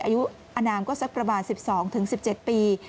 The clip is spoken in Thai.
อายุอนามก็สักประมาณ๑๒๑๗ปี